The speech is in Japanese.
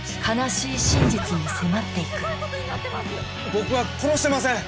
僕は殺してません！